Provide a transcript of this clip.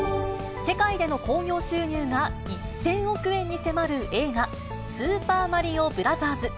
世界での興行収入が１０００億円に迫る映画、スーパーマリオブラザーズ。